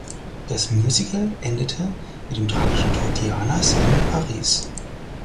Das Musical endet mit dem tragischen Tod Dianas in Paris.